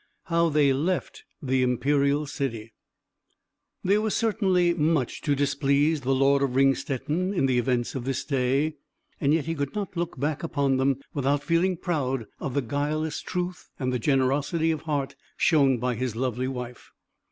XII. HOW THEY LEFT THE IMPERIAL CITY There was certainly much to displease the Lord of Ringstetten in the events of this day; yet he could not look back upon them, without feeling proud of the guileless truth and the generosity of heart shown by his lovely wife.